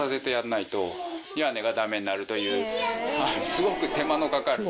すごく手間のかかる。